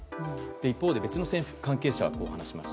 一方で、別の政府関係者はこう話します。